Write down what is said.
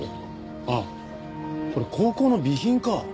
あっこれ高校の備品か。